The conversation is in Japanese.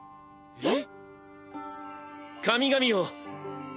えっ？